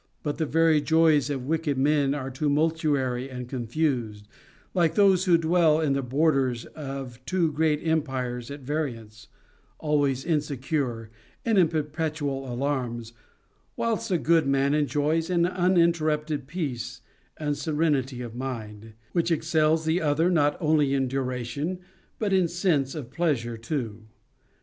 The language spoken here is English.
But the very joys of wicked men are tumultuary and confused, like those who dwell in the borders of two great empires at vari ance, always insecure, and in perpetual alarms ; whilst a good man enjoys an uninterrupted peace and serenity of mind, which excels the other not only in duration, but in sense of pleasure too.